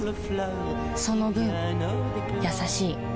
その分優しい